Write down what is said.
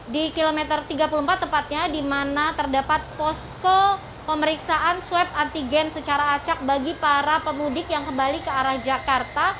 di kilometer tiga puluh empat tepatnya di mana terdapat posko pemeriksaan swab antigen secara acak bagi para pemudik yang kembali ke arah jakarta